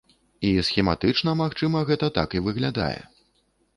І схематычна, магчыма, гэта так і выглядае.